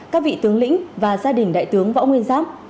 các vị tướng lĩnh và gia đình đại tướng võ nguyên giáp